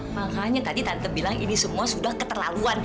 makanya tadi tante bilang ini semua sudah keterlaluan